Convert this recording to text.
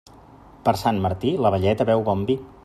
Per Sant Martí, la velleta beu bon vi.